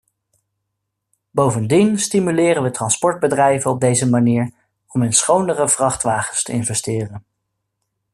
Bovendien stimuleren we transportbedrijven op deze manier om in schonere vrachtwagens te investeren.